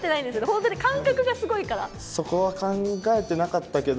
本当に感覚がすごいから。